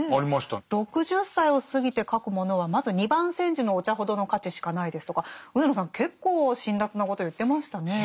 「６０歳を過ぎて書くものはまず二番煎じのお茶ほどの価値しかない」ですとか上野さん結構辛辣なことを言ってましたね。